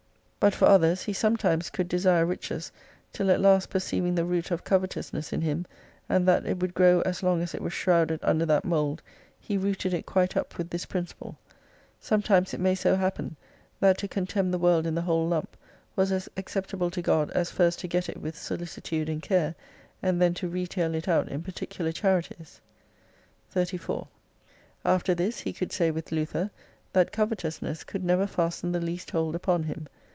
But 261 for others he sometimes could desire riches ; till at last perceiving the root of covetousness in him, and that it would grow as long as it was shrouded under that mould, he rooted it quite up with this principle — Sometimes it may so happen, that to contemn the world in the whole lump was as acceptable to God as first to get it with solicitude and care^ and then to retail it out in particular charities. 34 After this he could say with Luther, that covetous ness could never fasten the least hold upon him.